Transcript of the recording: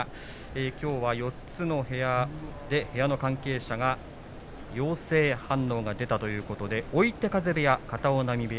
きょうは４つの部屋の関係者に陽性反応が出たということで追手風部屋、片男波